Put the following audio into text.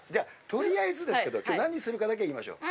取りあえずですけど今日何するかだけ言いましょう。